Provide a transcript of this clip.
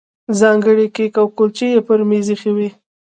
ځانګړي کیک او کولچې یې پر مېز ایښي وو.